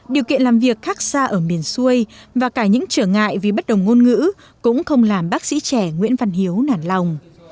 điều kiện làm việc khác xa ở miền xuôi và cả những trở ngại vì bất đồng ngôn ngữ cũng không làm bác sĩ trẻ nguyễn văn hiếu nản lòng